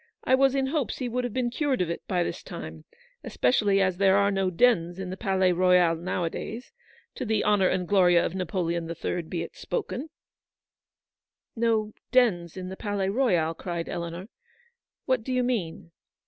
I "was in hopes he would have been cured of it by this time ; especially as there are no dens in the Palais Royal now a days ; to the honour and glory of Napoleon the Third be it spoken/' " No dens in the Palais Royal," cried Eleanor. " What do you mean